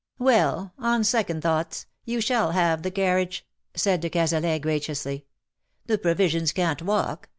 ^^ Well, on second thoughts, you shall have the carriage/^ said de Cazalet^ graciously. ^'^The provisions can^t walk.